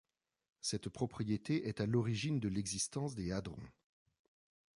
Cette propriété est à l'origine de l'existence des hadrons.